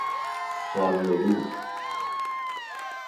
خانه به دوش